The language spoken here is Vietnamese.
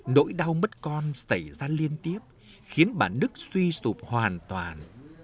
nỗi đau mất con xảy ra liên tiếp khiến bà đức suy sụp hoàn toàn